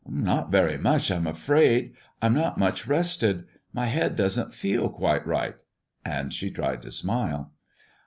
"Not very much, I'm afraid. I'm not much rested: my head doesn't feel quite right;" and she tried to smile.